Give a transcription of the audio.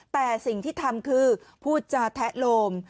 แต่สิ่งที่ทำคือพูดจาแทะโลม